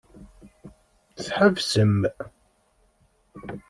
Tḥebsem.